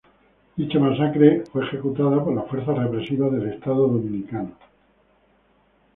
Dicha masacre fue ejecutada por las fuerzas represivas del estado dominicano.